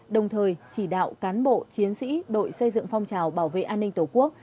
đồng thời chỉ đạo cán bộ chiến sĩ đội xây dựng phong trào bảo vệ an ninh tổ quốc